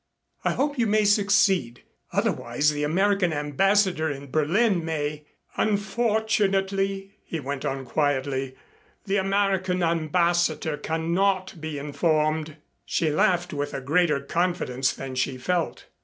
"I hope you may succeed. Otherwise the American Ambassador in Berlin may " "Unfortunately," he went on quietly, "the American Ambassador cannot be informed." She laughed with a greater confidence than she felt.